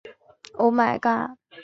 这种事件不断地重覆发生。